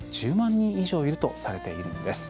人以上いるとされているんです。